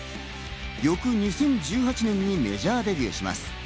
翌２０１８年にメジャーデビューします。